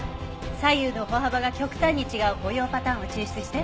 左右の歩幅が極端に違う歩容パターンを抽出して。